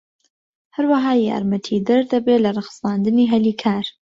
هەروەها یارمەتیدەر دەبێت لە ڕەخساندنی هەلی کار.